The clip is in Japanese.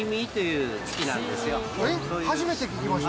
えっ初めて聞きました。